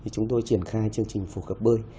chúng tôi triển khai chương trình phổ cập bơi